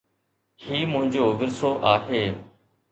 هي منهنجو ورثو آهي